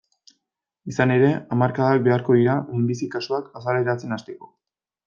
Izan ere, hamarkadak beharko dira minbizi kasuak azaleratzen hasteko.